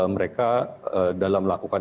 mereka dalam melakukan